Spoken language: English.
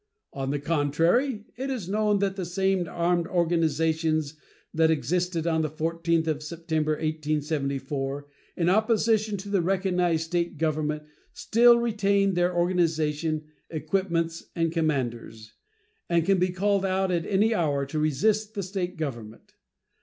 On the contrary, it is known that the same armed organizations that existed on the 14th of September, 1874, in opposition to the recognized State government, still retain their organization, equipments, and commanders, and can be called out at any hour to resist the State government.